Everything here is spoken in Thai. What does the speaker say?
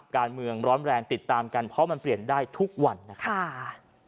การเมืองร้อนแรงติดตามกันเพราะมันเปลี่ยนได้ทุกวันนะครับ